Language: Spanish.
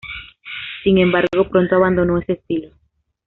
Sin embargo, pronto abandonó ese estilo.